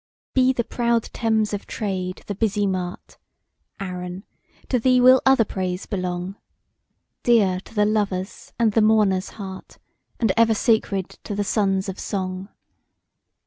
BE the proud Thames of trade the busy mart! Arun! to thee will other praise belong; Dear to the lover's and the mourner's heart, And ever sacred to the sons of song!